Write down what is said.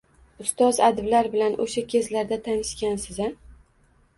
Ustoz adiblar bilan o`sha kezlarda tanishgansiz-a